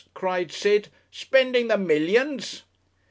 cried Sid; "spending the millions?"